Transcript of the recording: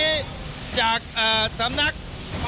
สถานการณ์ข้อมูล